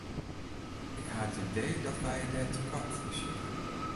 Ik ha it idee dat wy dêr te koart yn sjitte.